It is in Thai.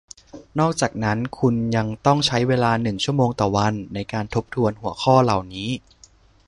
นอกจากนั้นคุณยังต้องใช้เวลาหนึ่งชั่วโมงต่อวันในการทบทวนหัวข้อเหล่านี้